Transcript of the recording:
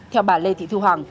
theo bà lê thị thu hằng